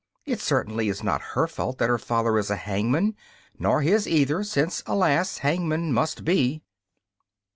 It certainly is not her fault that her father is a hangman, nor his either, since, alas, hangmen must be.